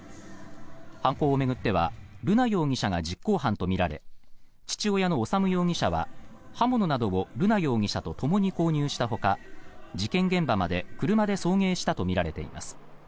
犯行を巡っては瑠奈容疑者が実行犯とみられ父親の修容疑者は刃物などを瑠奈容疑者とともに購入したほか事件現場まで車で送迎したとみられています。